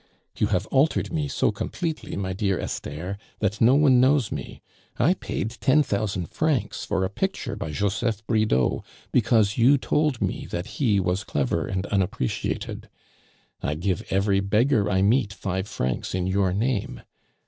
"You have altered me so completely, my dear Esther, that no one knows me; I paid ten thousand francs for a picture by Joseph Bridau because you told me that he was clever and unappreciated. I give every beggar I meet five francs in your name.